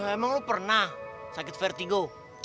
emang lo pernah sakit vertigo